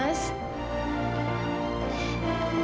tadi yang mana